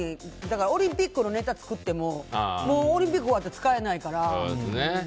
オリンピックのネタを作ってもオリンピックが終わったら使えないから。